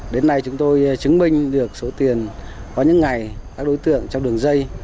đến nay chúng tôi chứng minh được số tiền có những ngày các đối tượng trong đường dây